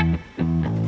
dengan luar negara